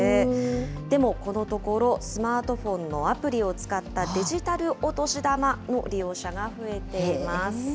でも、このところ、スマートフォンのアプリを使ったデジタルお年玉の利用者が増えています。